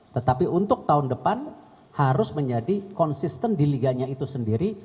tetapi untuk tahun depan harus menjadi konsisten di liganya itu sendiri